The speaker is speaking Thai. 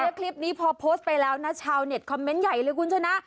และคลิปนี้พอโพสต์ไปแล้วนะชาวเน็ตคอมเมนต์ใหญ่เลยคุณชนะ